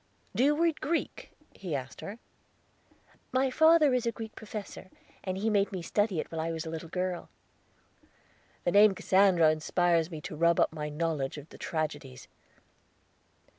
"Do you read Greek?" he asked her. "My father is a Greek Professor, and he made me study it when I was a little girl." "The name of Cassandra inspired me to rub up my knowledge of the tragedies."